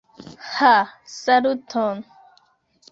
Ha, saluton!